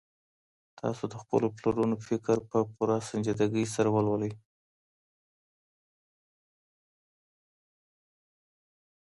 تاسو د خپلو پلرونو فکر په پوره سنجيدګۍ سره ولولئ.